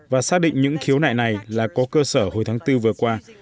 và xác định những khiếu nại này là có cơ sở hồi tháng bốn vừa qua